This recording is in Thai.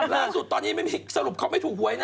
ล่าสุดตอนนี้ไม่มีสรุปเขาไม่ถูกหวยนะ